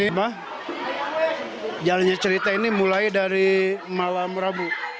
hibah jalannya cerita ini mulai dari malam rabu